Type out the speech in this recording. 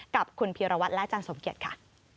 กับคุณพีรวัตรและอาจารย์สมเกียจค่ะ